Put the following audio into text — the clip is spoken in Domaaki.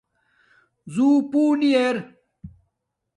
زوں پُو نی ار